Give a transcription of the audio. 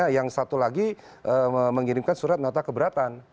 yang satu lagi mengirimkan surat nota keberatan